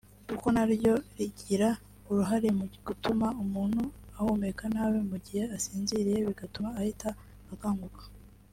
kuko naryo rigira uruhare mu gutuma umuntu ahumeka nabi mu gihe asinziriye bigatuma ahita akanguka